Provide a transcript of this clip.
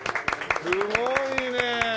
すごいねえ。